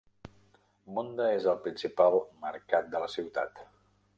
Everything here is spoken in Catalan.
Mondha és el principal mercat de la ciutat.